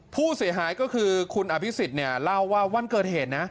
ผู้เสียหายก็คือคุณอภิษฎเนี่ยเล่าว่าวันเกิดเหตุนะ